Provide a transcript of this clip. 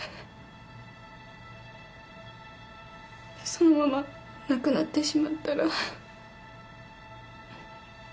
そのまま亡くなってしまったら。